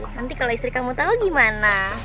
nanti kalau istri kamu tahu gimana